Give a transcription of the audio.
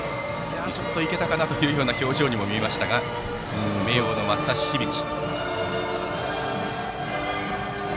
ちょっと行けたかなという表情にも見えた明桜の松橋日々生。